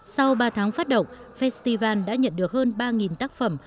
sau ba tháng phát động festival đã nhận được hơn ba tác phẩm